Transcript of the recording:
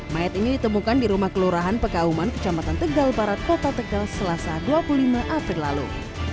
mayat ini ditemukan di rumah kelurahan pekauman kecamatan tegal barat kota tegal selasa dua puluh lima april lalu